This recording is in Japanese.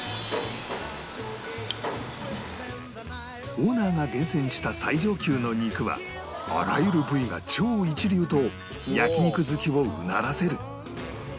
オーナーが厳選した最上級の肉はあらゆる部位が超一流と焼肉好きをうならせる